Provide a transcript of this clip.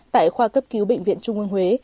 tại khoa cấp cứu bệnh viện trung quân huế